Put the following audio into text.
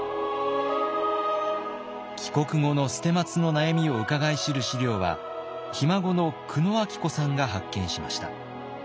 帰国後の捨松の悩みをうかがい知る資料はひ孫の久野明子さんが発見しました。